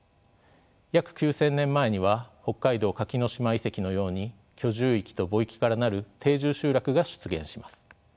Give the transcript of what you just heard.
約９，０００年前には北海道垣ノ島遺跡のように居住域と墓域からなる定住集落が出現します。